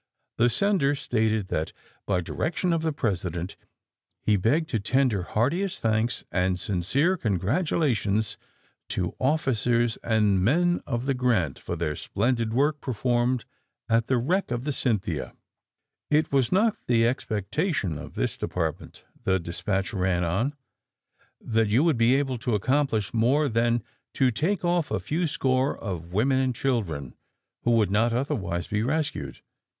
The sender stated that, by direction of the President, he begged to tender heartiest thanks and sincere congratulations to officers and men of the *^ Grant" for their splendid, work performed at the wreck of the ^* Cynthia." AND THE SMUGGLERS 153 '*It was not the expectation of this Depart ment," the despatch ran on, ^Hhat yon would be able to accomplish more than to take off a few score of women and children who wonld not otherwise be rescued.